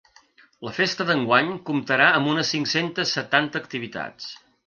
La festa d’enguany comptarà amb unes cinc-cents setanta activitats.